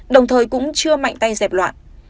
đồng thời cũng chưa mạnh tay dẹp loạn